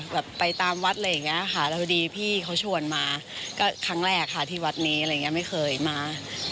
ไปตามวัดอะไรอย่างนี้ค่ะแล้วพอดีพี่เขาชวนมาก็ครั้งแรกค่ะที่วัดนี้อะไรอย่างเงี้ยไม่เคยมา